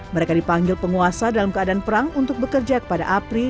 mereka dipanggil penguasa dalam keadaan perang untuk bekerja kepada apri